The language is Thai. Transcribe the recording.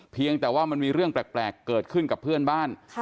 เพียงแต่ว่ามันมีเรื่องแปลกเกิดขึ้นกับเพื่อนบ้าน